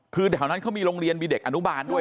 คือแถวนั้นเขามีโรงเรียนมีเด็กอนุบาลด้วย